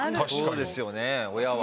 そうですよね親は。